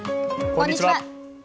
こんにちは。